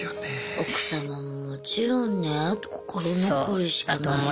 奥様ももちろんね心残りしかない。